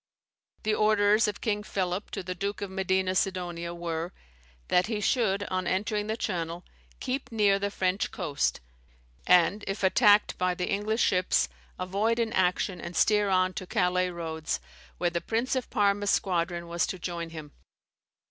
The orders of King Philip to the Duke de Medina Sidonia were, that he should, on entering the Channel, keep near the French coast, and, if attacked by the English ships, avoid an action, and steer on to Calais roads, where the Prince of Parma's squadron was to join him.